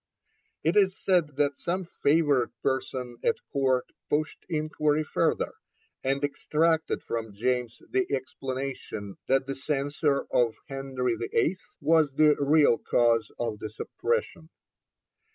It is said that some favoured person at Court pushed inquiry further, and extracted from James the explanation that the censure of Henry VIII. was the real cause of the suppression.